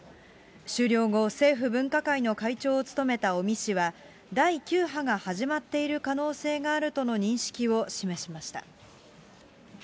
終了後、政府分科会の会長を務めた尾身氏は、第９波が始まっている可能性があるとの認識を示しました。